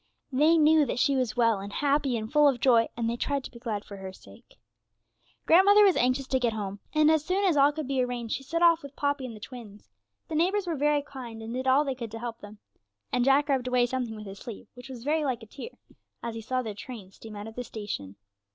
They knew that she was well, and happy, and full of joy, and they tried to be glad for her sake. Grandmother was anxious to get home, and, as soon as all could be arranged, she set off with Poppy and the twins. The neighbours were very kind, and did all they could to help them, and Jack rubbed away something with his sleeve, which was very like a tear, as he saw their train steam out of the station.